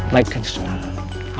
baikkan kanjeng sunam